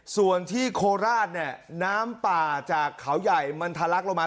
ส่วนที่โคราชเนี่ยน้ำป่าจากเขาใหญ่มันทะลักลงมา